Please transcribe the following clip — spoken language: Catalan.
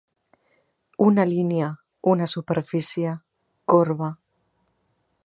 Una línia, una superfície, corba.